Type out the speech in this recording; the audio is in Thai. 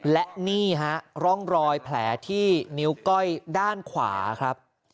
และนี่ฮะร่องรอยแผลที่นิ้วก้อยด้านขวาครับ